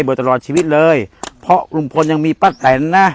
ตลอดชีวิตเลยเพราะลุงพลยังมีป้าแตนนะ